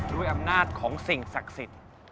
ด้วยอำนาจของสิ่งศักดิ์สิทธิ์